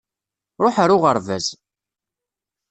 Ṛuḥ ar uɣerbaz!